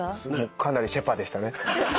かなりシェパでしたね。